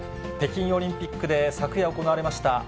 北京オリンピックで昨夜行われました